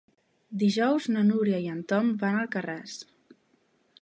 Dijous na Núria i en Tom van a Alcarràs.